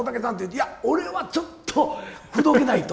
いや、俺はちょっと、口説けないと。